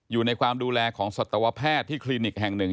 อยู่ในความดูแลของสัตวแพทย์ที่คลินิกแห่งหนึ่ง